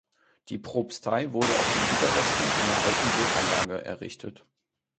Die Propstei wurde auf den Überresten einer alten Burganlage errichtet.